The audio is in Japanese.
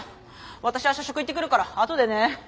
私は社食行ってくるからあとでね。